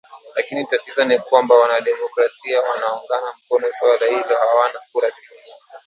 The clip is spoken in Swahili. lakini tatizo ni kwamba wana demokrasia wanaounga mkono suala hilo hawana kura sitini